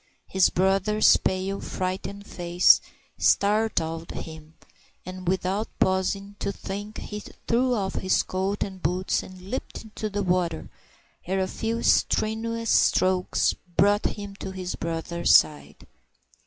His brother's pale, frightened face startled him, and without pausing to think, he threw off his coat and boots and leaped into the water, where a few strenuous strokes brought him to his brother's side.